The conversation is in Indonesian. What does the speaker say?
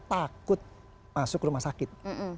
takut masuk rumah sakit